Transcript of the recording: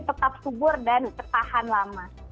tetap subur dan tertahan lama